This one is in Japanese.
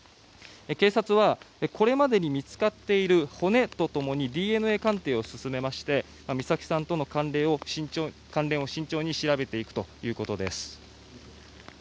警察は、これまでに見つかっている骨と共にＤＮＡ鑑定を進めまして美咲さんとの関連を慎重に調べていくということです。